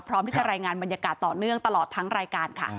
พร้อมที่จะรายงานบรรยากาศต่อเนื่องตลอดทั้งรายการค่ะ